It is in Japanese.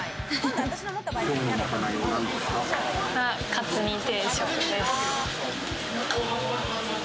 カツ煮定食です。